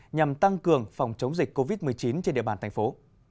nhằm tăng cường phòng chống dịch covid một mươi chín trên địa bàn thành phố